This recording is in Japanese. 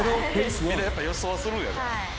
みんなやっぱ予想はするんやね。